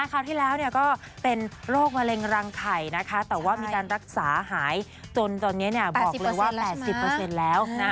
คราวที่แล้วก็เป็นโรคมะเร็งรังไข่นะคะแต่ว่ามีการรักษาหายจนตอนนี้บอกเลยว่า๘๐แล้วนะ